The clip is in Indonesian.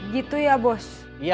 gitu ya bos